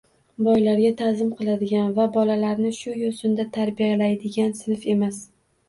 Boylarga ta’zim qiladigan va bolalarini shu yo‘sinda tarbiyalaydigan sinf emas